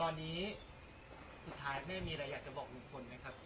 ตอนนี้สุดท้ายแม่มีอะไรอยากจะบอกลุงพลไหมครับ